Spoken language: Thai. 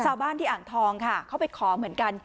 ชาวบ้านที่อ่างทองค่ะเขาไปขอเหมือนกัน